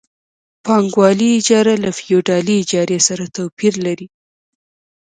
پانګوالي اجاره له فیوډالي اجارې سره توپیر لري